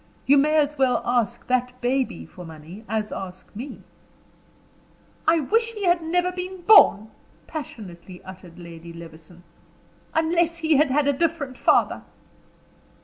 You may as well ask that baby for money as ask me." "I wish he had never been born!" passionately uttered Lady Levison; "unless he had had a different father."